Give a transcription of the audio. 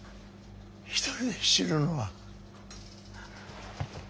一人で死ぬのは。